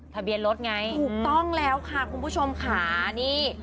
ทะเบียนรถไงถูกต้องแล้วค่ะคุณผู้ชมค่ะนี่